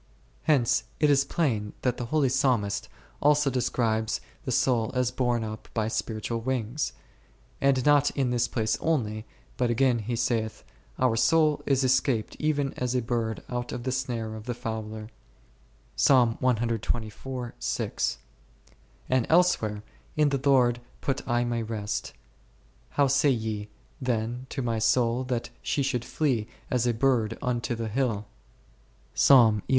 Hence it is plain that the holy Psalmist also de scribes the soul as borne up by spiritual wings ; and not in this place only, but again he saith, Our soul is escaped even as a bird out of the snare of the fowler v > and elsewhere, In the Lord put I my trust, how say ye then to my soul that she should flee as a bird unto the hill w ?